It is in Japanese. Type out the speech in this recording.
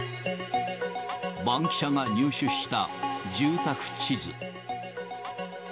バンキシャが入手した住宅地図。